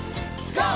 ＧＯ！